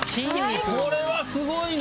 これはスゴいな！